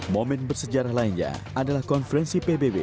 momen bersejarah lainnya adalah konferensi pbb